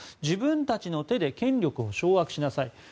自分たちの手で権力を掌握しなさい。